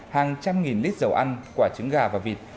hàng trăm nghìn lít dầu ăn quả trứng gà và vịt